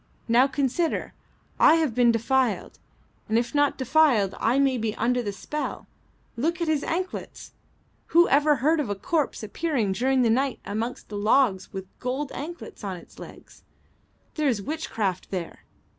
Now consider. I have been defiled, and if not defiled I may be under the spell. Look at his anklets! Who ever heard of a corpse appearing during the night amongst the logs with gold anklets on its legs? There is witchcraft there.